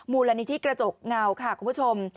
มูลนิธิกระจกเงาค่ะคุณผู้ชม